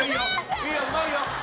いいようまいよ。